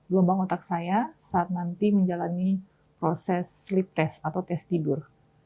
gelombang otak saya saat nanti menjalani proses slip test atau tes tidur